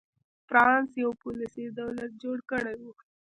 فرانسس یو پولیسي دولت جوړ کړی و.